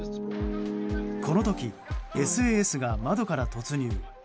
この時、ＳＡＳが窓から突入。